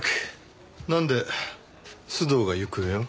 なんで須藤が行方を？